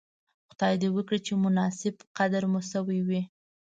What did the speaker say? خدای دې وکړي چې مناسب قدر مو شوی وی.